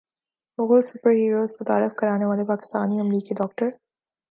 Mughal super heroes متعارف کرانے والے پاکستانی امریکی ڈاکٹر